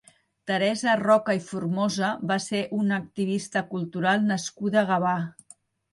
Teresa Roca i Formosa va ser una activista cultural nascuda a Gavà.